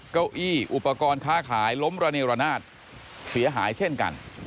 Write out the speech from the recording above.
เก้าอี้อุปกรณ์ค้าขายล้มระเนรนาศเสียหายเช่นกัน